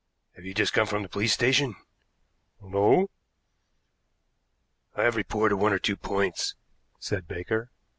Have you just come from the police station?" "No." "I have reported one or two points," said Baker.